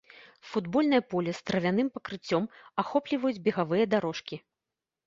Футбольнае поле з травяным пакрыццём ахопліваюць бегавыя дарожкі.